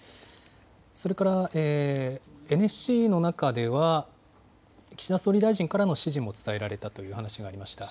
それから、ＮＳＣの中では、岸田総理大臣からの指示も伝えられたという話もありました。